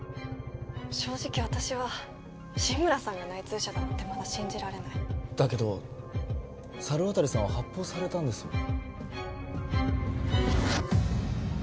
正直私は志村さんが内通者だなんてまだ信じられないだけど猿渡さんは発砲されたんですよね？